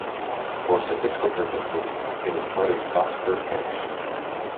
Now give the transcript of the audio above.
For statistical purposes it is part of Botsford Parish.